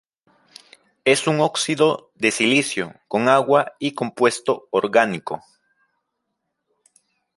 Es un óxido de silicio con agua y compuesto orgánico.